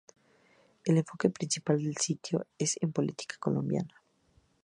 El enfoque principal del sitio es en política colombiana.